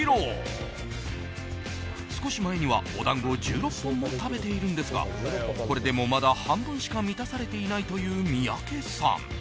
少し前には、お団子を１６本も食べているんですがこれでもまだ半分しか満たされていないという三宅さん。